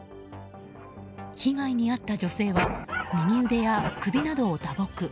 被害に遭った女性は右腕や首などを打撲。